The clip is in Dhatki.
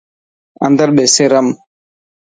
اندر ٻيسي رم.